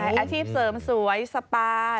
อาชีพเสริมสวยสปา